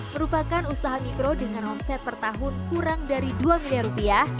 merupakan usaha mikro dengan omset per tahun kurang dari dua miliar rupiah